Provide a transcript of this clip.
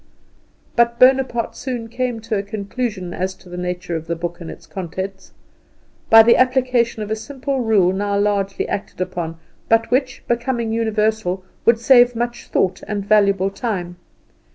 But Bonaparte soon came to a conclusion as to the nature of the book and its contents, by the application of a simple rule now largely acted upon, but which, becoming universal, would save much thought and valuable time.